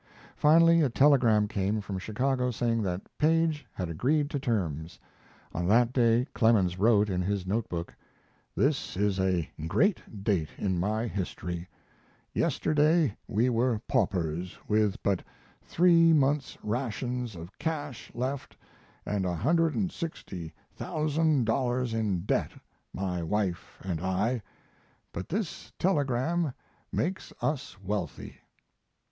Finally a telegram came from Chicago saying that Paige had agreed to terms. On that day Clemens wrote in his note book: This is a great date in my history. Yesterday we were paupers with but 3 months' rations of cash left and $160,000 in debt, my wife & I, but this telegram makes us wealthy.